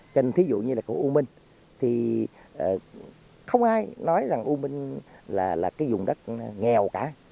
trên thí dụ như là của u minh thì không ai nói rằng u minh là cái dùng đất nghèo cả